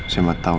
saya mau tau